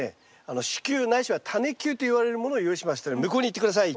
種球ないしはタネ球といわれるものを用意しましたので向こうに行って下さい。